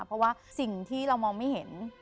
เพราะว่าสิ่งที่เรามองไม่เห็น